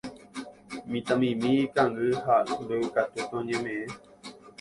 Mitãmimi ikangy ha mbeguekatúpe oñemeʼẽ.